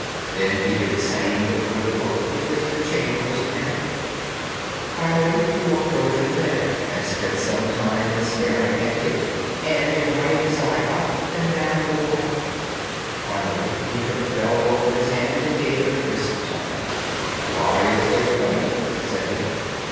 Then he did the same with the wood work with which the chamber was panelled. Finally he walked over to the bed and spent some time in staring at it and in running his eye up and down the wall. Finally he took the bell rope in his hand and gave it a brisk tug. "Why, it's a dummy," said he.